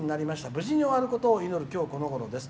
無事に終わることを祈るきょうこのごろです。